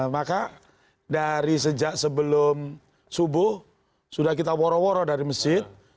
maka dari sejak sebelum subuh sudah kita woro woro dari masjid